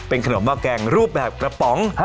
เป็นขนมห้อแกงรูปแบบกระป๋อง